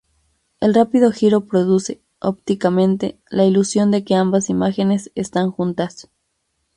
El rápido giro produce, ópticamente, la ilusión de que ambas imágenes están juntas.